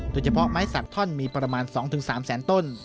โดยเฉพาะไม้สักท่อนมีประมาณ๒๓แสนต้น